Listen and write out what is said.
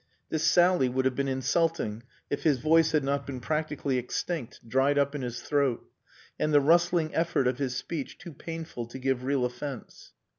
This sally would have been insulting if his voice had not been practically extinct, dried up in his throat; and the rustling effort of his speech too painful to give real offence.